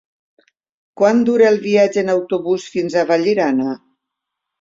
Quant dura el viatge en autobús fins a Vallirana?